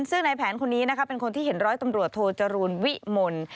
ซึ่งนายแผนคนนี้เป็นคนที่เห็นร้อยตำรวจโทรจรูนวิมนต์